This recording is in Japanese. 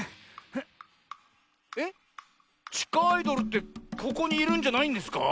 えっちかアイドルってここにいるんじゃないんですか？